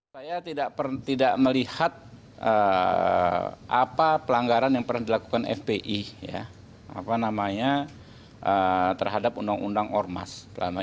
saya tidak melihat apa pelanggaran yang pernah dilakukan fpi terhadap undang undang ormas